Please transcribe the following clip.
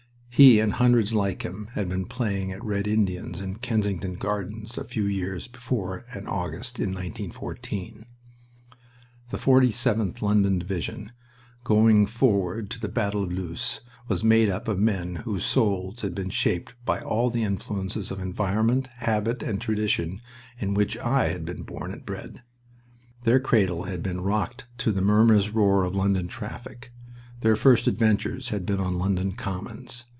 He and hundreds like him had been playing at red Indians in Kensington Gardens a few years before an August in 1914... The 47th London Division, going forward to the battle of Loos, was made up of men whose souls had been shaped by all the influences of environment, habit, and tradition in which I had been born and bred. Their cradle had been rocked to the murmurous roar of London traffic. Their first adventures had been on London Commons.